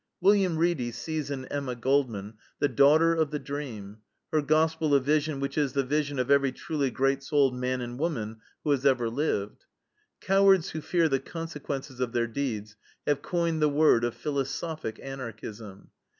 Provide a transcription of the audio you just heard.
William Reedy sees in Emma Goldman the "daughter of the dream, her gospel a vision which is the vision of every truly great souled man and woman who has ever lived." Cowards who fear the consequences of their deeds have coined the word of philosophic Anarchism.